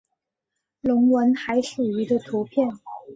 隆吻海蠋鱼的图片